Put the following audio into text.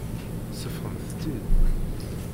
Seffɣemt-tt-id.